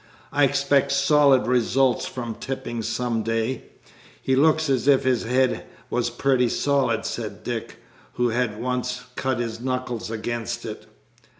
"I expect solid results from Tipping some day." "He looks as if his head was pretty solid," said Dick, who had once cut his knuckles against it.